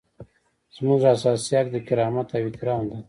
زموږ اساسي حق د کرامت او احترام دی.